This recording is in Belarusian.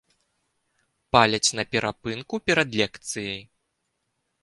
Паляць на перапынку перад лекцыяй.